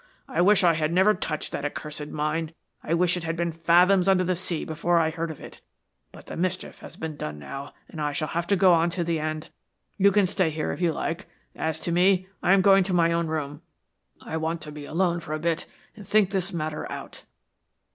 I wish I had never touched that accursed mine. I wish it had been fathoms under the sea before I heard of it, but the mischief has been done now, and I shall have to go on to the end. You can stay here if you like as to me, I am going to my own room. I want to be alone for a bit and think this matter out."